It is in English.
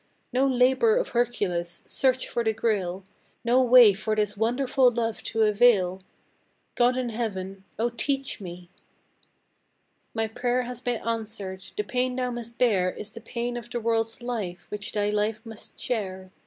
No labor of Hercules search for the Grail No way for this wonderful love to avail? God in Heaven O teach me! My prayer has been answered. The pain thou must bear Is the pain of the world's life which thy life must share.